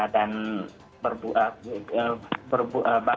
dan bangun setelah kita berpuasa